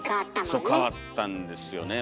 そう変わったんですよね